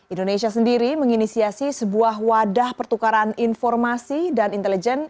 indonesia sendiri menginisiasi sebuah wadah pertukaran informasi dan intelijen